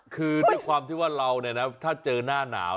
คือด้วยความที่ว่าเราถ้าเจอหน้าหนาว